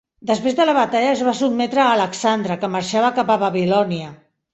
Després de la batalla es va sotmetre a Alexandre que marxava cap a Babilònia.